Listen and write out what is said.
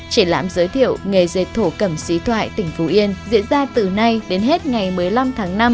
chỉ lãm giới thiệu nghề dệt thổ cầm xì thoại tỉnh phú yên diễn ra từ nay đến hết ngày một mươi năm tháng năm